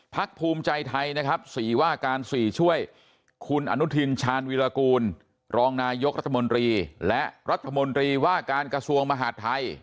ภูมิใจไทยนะครับ๔ว่าการ๔ช่วยคุณอนุทินชาญวิรากูลรองนายกรัฐมนตรีและรัฐมนตรีว่าการกระทรวงมหาดไทย